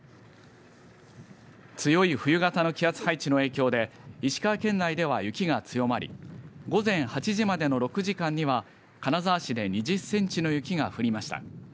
強い冬型の気圧配置の影響で石川県内では、雪が強まり午前８時までの６時間には金沢市で２０センチの雪が降りました。